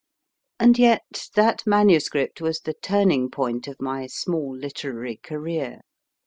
And yet that MS. was the turning point of my small literary career.